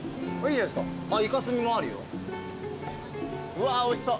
うわおいしそう。